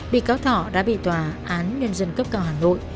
bị cáo thọ đã bị tòa án nhân dân cấp cao hà nội